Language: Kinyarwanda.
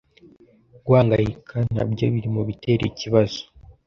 guhangayika nabyo biri mubitera ikibazo